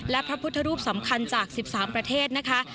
และพระพุทธรูปสำคัญจาก๑๓ประเทศนะคะ